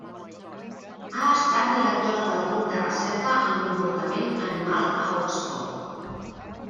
Ha estat directora del Grup de Recerca en Comportament Animal a Oxford.